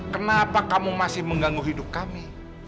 kenapa kamu masih mengganggu hidup kami